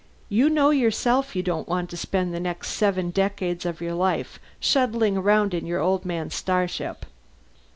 You know yourself you don't want to spend the next seven decades of your life shuttling around in your old man's starship.